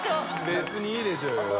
別にいいでしょうよ。